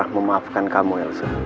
saya akan memaafkan kamu elsa